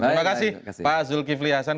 terima kasih pak zulkifli hasan